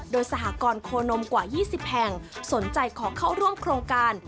โดยสหกรณ์โคนมกว่า๒๐แห่งสนใจขอเข้าร่วมโครงการ